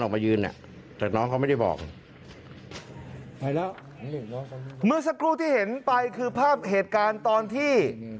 เมื่อสักครู่ที่เห็นไปคือภาพเหตุการณ์ตอนที่